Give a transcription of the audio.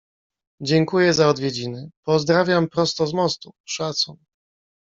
Dziękuję za odwiedziny. Pozdrawiam prosto z mostu. Szacun